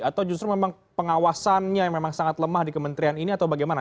atau justru memang pengawasannya yang memang sangat lemah di kementerian ini atau bagaimana